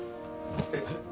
えっ？